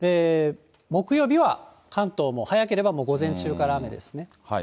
木曜日は関東も、早ければ午前中から雨ですね。